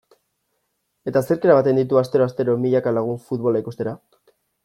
Eta zerk eramaten ditu astero-astero milaka lagun futbola ikustera?